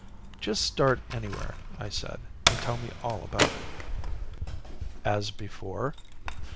"Just start anywhere," I said, "and tell me all about it." "As before?"